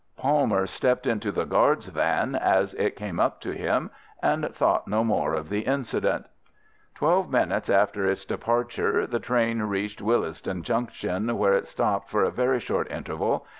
Palmer stepped into the guard's van, as it came up to him, and thought no more of the incident. Twelve minutes after its departure the train reached Willesden Junction, where it stopped for a very short interval.